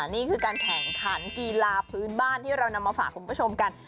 นี่คือการแข่งขันกีฬาพื้นบ้านที่เรานำมาฝากคุณผู้ชมกัน